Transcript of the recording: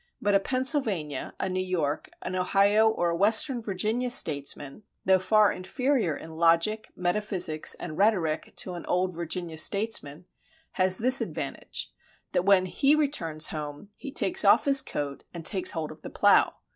But a Pennsylvania, a New York, an Ohio, or a western Virginia statesman, though far inferior in logic, metaphysics, and rhetoric to an old Virginia statesman, has this advantage, that when he returns home he takes off his coat and takes hold of the plow.